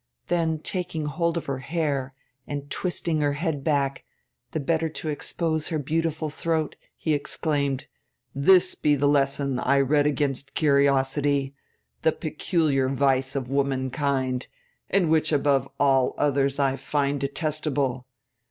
Then, taking hold of her hair and twisting her head back, the better to expose her beautiful throat, he exclaimed: 'This be the lesson I read against curiosity, the peculiar vice of womankind, and which above all others I find detestable.